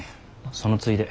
そのついで。